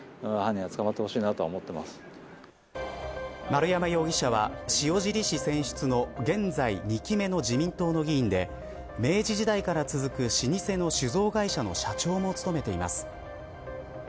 丸山容疑者は塩尻市選出の現在２期目の自民党の議員で明治時代から続く老舗の酒造会社の社長も務めています。